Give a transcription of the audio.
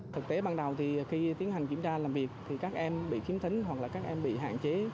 thực tế ban đầu thì khi tiến hành kiểm tra làm việc thì các em bị khiếm thính hoặc là các em bị hạn chế